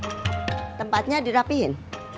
bukan cuma tempatnya dirapihin